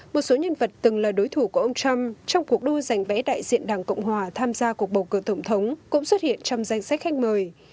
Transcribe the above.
một số nhân vật từng là đối thủ của ông trump trong cuộc đua giành vẽ đại diện đảng cộng hòa tham gia cuộc bầu cử tổng thống cũng xuất hiện trong danh sách khách mời